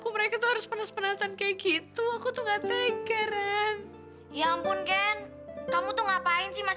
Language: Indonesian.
mereka tuh biasanya gak pernah pake kendaraan umum